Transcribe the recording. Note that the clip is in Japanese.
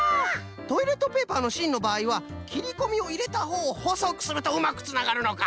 トイレットペーパーのしんのばあいはきりこみをいれたほうをほそくするとうまくつながるのか。